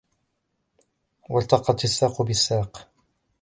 وَالْتَفَّتِ السَّاقُ بِالسَّاقِ